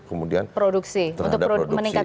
kemudian produksi terhadap produksi